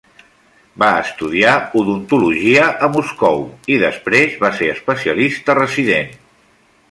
Va estudiar odontologia a Moscou, i després va ser especialista resident.